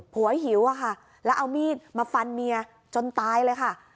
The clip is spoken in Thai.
หิวอะค่ะแล้วเอามีดมาฟันเมียจนตายเลยค่ะ